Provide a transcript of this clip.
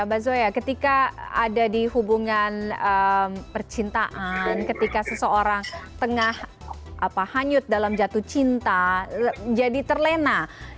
mbak zoya ketika ada di hubungan percintaan ketika seseorang tengah hanyut dalam jatuh cinta jadi terlena